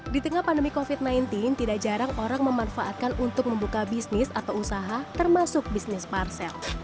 di tengah pandemi covid sembilan belas tidak jarang orang memanfaatkan untuk membuka bisnis atau usaha termasuk bisnis parsel